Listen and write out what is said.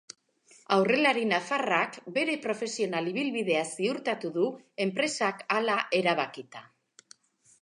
Aurrelari nafarrak bere profesional ibilbidea ziurtatu du, enpresak hala erabakita.